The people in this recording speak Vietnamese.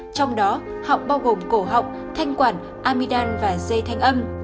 trong đó họng bao gồm cổ họng thanh quản amidam và dây thanh âm